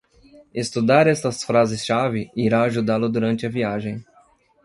Estudar estas frases-chave irá ajudá-lo durante a viagem.